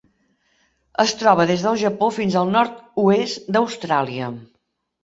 Es troba des del Japó fins al nord-oest d'Austràlia.